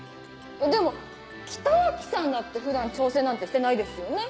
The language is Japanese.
でも北脇さんだって普段調整なんてしてないですよね？